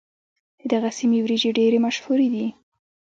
د دغې سيمې وريجې ډېرې مشهورې دي.